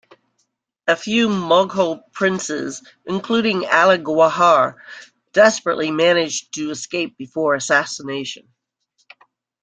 A few Mughal Princes, including Ali Gauhar desperately managed to escape before assassination.